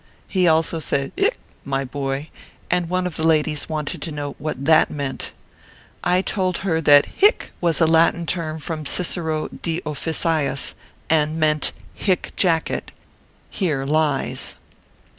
He also said hie, my boy ; and one of the ladies wanted to know what that meant ?" I told her that Hie was a Latin term from Cicero de Officiis, and meant Hicjacet hear lies.